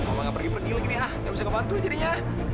kalau nggak pergi pedih lagi nih ah nggak bisa ngebantu jadinya